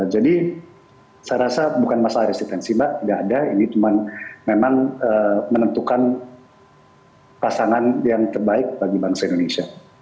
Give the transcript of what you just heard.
jadi saya rasa bukan masalah resistensi mbak tidak ada ini memang menentukan pasangan yang terbaik bagi bangsa indonesia